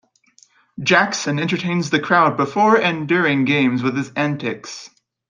Jaxson entertains the crowd before and during games with his antics.